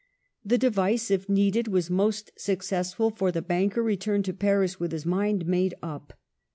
The device, if needed, was most successful ; for the banker returned to Paris with his mind made up.